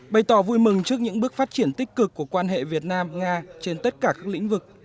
bày tỏ vui mừng trước những bước phát triển tích cực của quan hệ việt nam nga trên tất cả các lĩnh vực